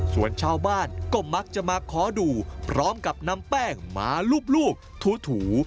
ส่วนชาวบ้านก็มักจะมาขอดูพร้อมกับนำแป้งมาลูบถู